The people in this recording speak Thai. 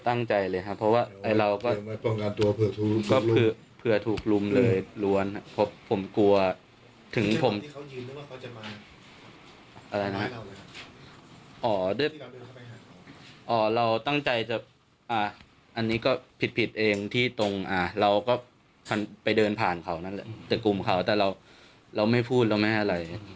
แต่เราเราไม่พูดเราไม่แอร่าย